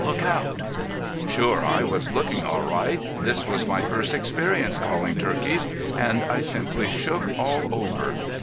Look out!'... Sure I was looking all right. This was my first experience calling turkeys and I simply shook all over.